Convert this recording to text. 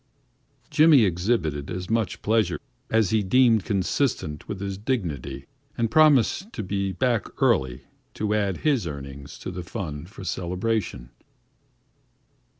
Jimmy exhibited as much pleasure as he deemed consistent with his dignity and promised to be back early to add his earnings to the fund for celebration.